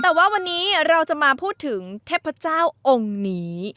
แต่ว่าวันนี้เราจะมาพูดถึงเทพเจ้าองค์นี้